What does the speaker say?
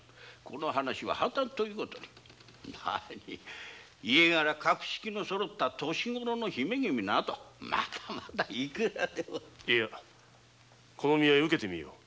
この話は破談ということになに家柄格式の備わった年ごろの姫君などまだまだいくらでも。いやこの見合い受けてみよう。